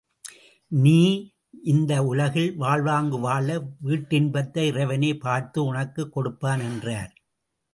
நீ இந்த உலகில் வாழ்வாங்கு வாழு வீட்டின்பத்தை இறைவனே பார்த்து உனக்குக் கொடுப்பான் என்றார்.